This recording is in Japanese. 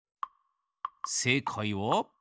せいかいは。